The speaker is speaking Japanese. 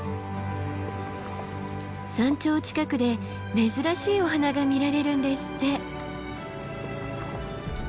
山頂近くで珍しいお花が見られるんですって。